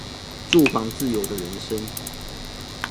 住房自由的人生